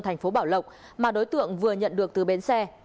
tp bảo lộc mà đối tượng vừa nhận được từ bến xe